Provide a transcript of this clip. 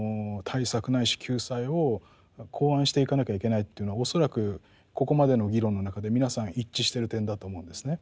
ないし救済を考案していかなきゃいけないというのは恐らくここまでの議論の中で皆さん一致してる点だと思うんですね。